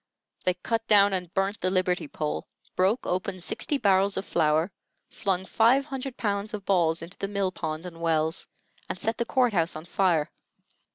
They cut down and burnt the liberty pole, broke open sixty barrels of flour, flung five hundred pounds of balls into the mill pond and wells, and set the court house on fire.